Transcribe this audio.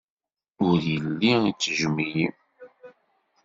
Ur yelli ittejjem-iyi.